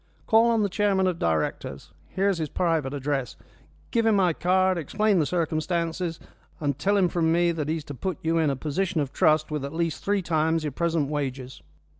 "Call on the chairman of directors here is his private address give him my card, explain the circumstances, and tell him from me that he is to put you in a position of trust, with at least three times your present wages."